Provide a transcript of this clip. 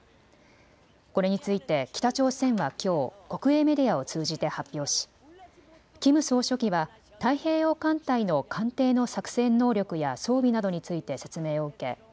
これについて北朝鮮はきょう国営メディアを通じて発表しキム総書記は太平洋艦隊の艦艇の作戦能力や装備などについて説明を受け